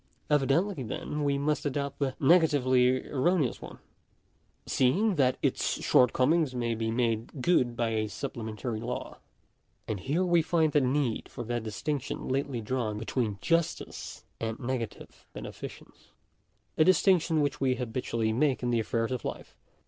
Evidently, then, we must adopt the negatively erroneous one, seeing that its shortcomings may be made good by a supplementary law. And here we find the need for that distinction lately drawn between justice and negative beneficence — a distinction which we habitually make in the affairs of life.